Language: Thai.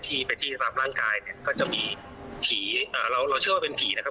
ที่ไปที่ตามร่างกายเนี่ยก็จะมีผีอ่าเราเราเชื่อว่าเป็นผีนะครับ